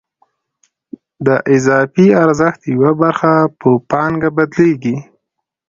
د اضافي ارزښت یوه برخه په پانګه بدلېږي